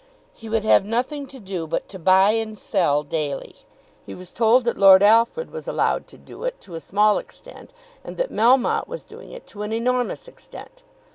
He would have nothing to do but to buy and sell daily. He was told that Lord Alfred was allowed to do it to a small extent; and that Melmotte was doing it to an enormous extent.